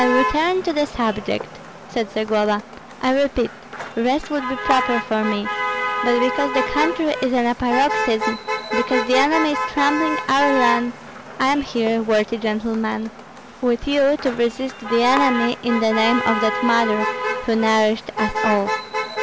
"I return to the subject," said Zagloba. "I repeat, rest would be proper for me; but because the country is in a paroxysm, because the enemy is trampling our land, I am here, worthy gentlemen, with you to resist the enemy in the name of that mother who nourished us all.